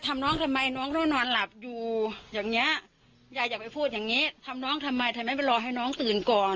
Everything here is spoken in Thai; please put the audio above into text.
ทำน้องทำไมต้องทำเนยนองนอนหลับอยู่อย่างเนี้ยแย่จับไปพูดอย่างเนี้ยทำน้องทำไมทำไมก็รอให้น้องตื่นก่อน